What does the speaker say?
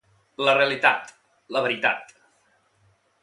La realitat, la veritat.